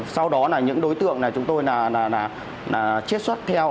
sau đó những đối tượng chúng tôi triết xuất theo